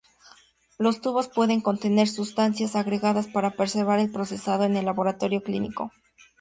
Los tubos pueden contener sustancias agregadas para preservar el procesado en el laboratorio clínico.